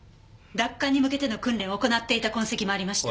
奪還に向けての訓練を行っていた痕跡もありました。